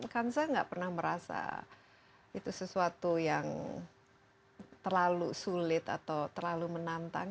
kansa gak pernah merasa itu sesuatu yang terlalu sulit atau terlalu menantang